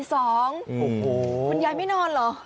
โอ้โหคุณยายไม่นอนเหรอ